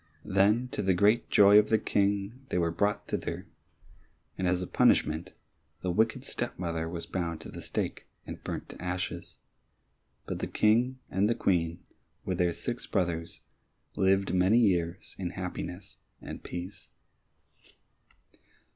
Then to the great joy of the King they were brought thither, and as a punishment, the wicked step mother was bound to the stake, and burnt to ashes. But the King and the Queen with their six brothers lived many years in happiness and peace.